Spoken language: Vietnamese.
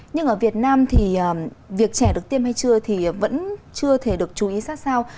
nhưng ở việt nam thì việc trẻ được tiêm hay chưa thì vẫn chưa thể được chú ý sát sao